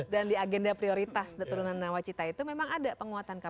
dan di agenda prioritas turunan tawacita itu memang ada penguatan kpk